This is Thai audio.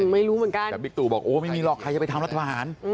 ไม่รู้เหมือนกันแต่บิ๊กตู่บอกโอ้ไม่มีหรอกใครจะไปทำรัฐประหาร